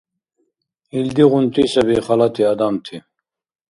Илдигъунти саби халати адамти.